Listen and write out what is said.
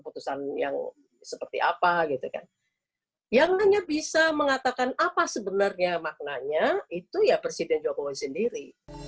jangan hanya bisa mengatakan apa sebenarnya maknanya itu ya presiden jokowi sendiri